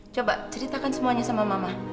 coba ceritakan semuanya sama mama